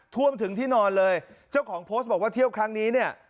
ท่วมถึงที่นอนเลยเจ้าของโพสต์บอกว่าเที่ยวครั้งนี้เนี่ย